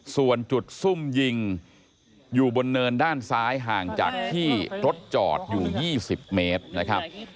ส่วนจุดซุ่มยิงอยู่บนเนินด้านซ้ายห่างจากที่รถจอดอยู่๒๐เมตรนะครับ